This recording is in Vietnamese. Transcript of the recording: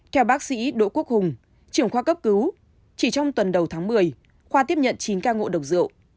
theo bác sĩ đỗ quốc hùng trưởng khoa cấp cứu chỉ trong tuần đầu tháng một mươi khoa tiếp nhận chín ca ngộ độc rượu